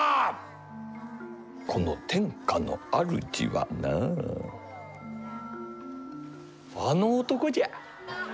この天下の主はなあの男じゃ。